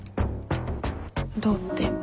どうって？